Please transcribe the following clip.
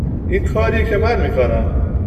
این کاریه که من میکنم